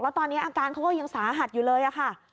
แล้วตอนนี้อาการเขาก็ยังสาหัสอยู่เลยค่ะ